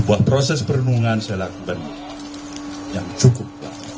buat proses perlindungan saya lakukan yang cukup